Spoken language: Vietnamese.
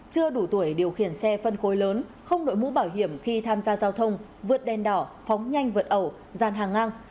chưa đủ tuổi điều khiển xe phân khối lớn không đội mũ bảo hiểm khi tham gia giao thông vượt đèn đỏ phóng nhanh vượt ẩu gian hàng ngang